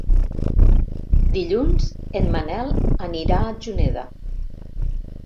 Dilluns en Manel anirà a Juneda.